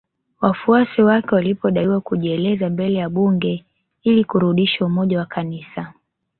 Wafuasi wake walipodaiwa kujieleza mbele ya Bunge ili kurudisha umoja wa kanisa